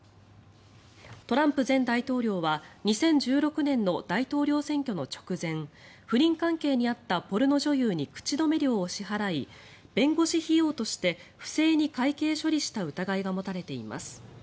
トランプ前大統領は２０１６年の大統領選挙の直前不倫関係にあったポルノ女優に口止め料を支払い弁護士費用として不正に会計処理した疑いが持たれています。